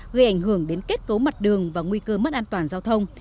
gây ảnh hưởng đến kết cấu mặt đường và nguy cơ mất an toàn giao thông